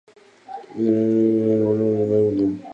Trimmer tenía un hermano menor llamado William.